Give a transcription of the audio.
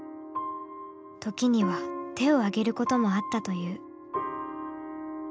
時には手をあげることもあったという。